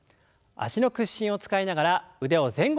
脚の屈伸を使いながら腕を前後に振ります。